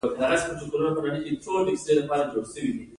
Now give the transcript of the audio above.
هغه د صمیمي بام پر مهال د مینې خبرې وکړې.